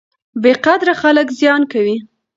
بې قدره خلک زیان کوي.